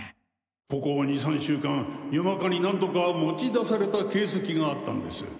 ここ２３週間夜中に何度か持ち出された形跡があったんです